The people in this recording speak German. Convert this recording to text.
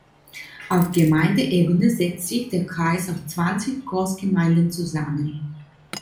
Auf Gemeindeebene setzt sich der Kreis aus zwanzig Großgemeinden zusammen.